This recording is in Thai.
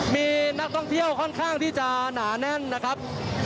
มีนักท่องเที่ยวค่อนข้างที่จะหนาแน่นนะครับ